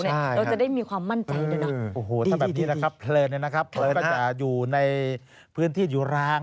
เราจะได้มีความมั่นใจด้วยนะ